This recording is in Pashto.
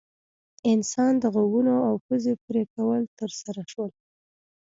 انسان د غوږونو او پزې پرې کول ترسره شول.